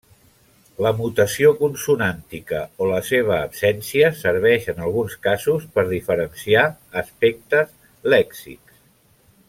La mutació consonàntica o la seva absència serveix en alguns casos per diferenciar aspectes lèxics.